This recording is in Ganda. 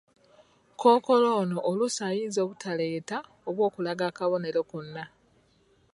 Kookolo ono oluusi ayinza obutaleeta oba okulaga akabonero konna